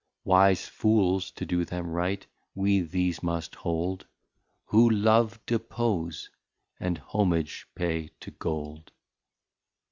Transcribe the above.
Wise Fools, to do them Right, we these must hold, Who Love depose, and Homage pay to Gold.